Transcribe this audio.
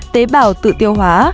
tế bào tự tiêu hóa